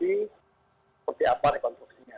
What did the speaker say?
seperti apa rekonstruksinya